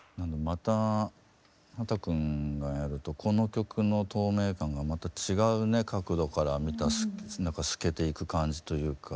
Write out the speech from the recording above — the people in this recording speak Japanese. また秦くんがやるとこの曲の透明感がまた違うね角度から見た透けていく感じというか。